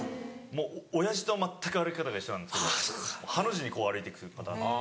もう親父と全く歩き方が一緒なんですけどハの字にこう歩いていくパターン。